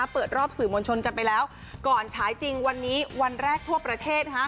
เปิดรอบสื่อมวลชนกันไปแล้วก่อนฉายจริงวันนี้วันแรกทั่วประเทศ